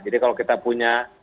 jadi kalau kita punya